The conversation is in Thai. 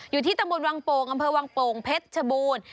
อยู่ที่ตำบลวังโป่งอำเภอวังโป่งเพชรชบูรณ์